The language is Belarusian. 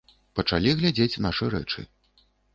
Пачалі глядзець нашы рэчы.